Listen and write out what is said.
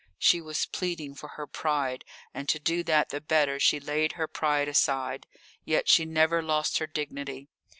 She was pleading for her pride, and to do that the better she laid her pride aside; yet she never lost her dignity.